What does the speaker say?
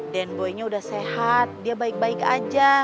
den boynya udah sehat dia baik baik aja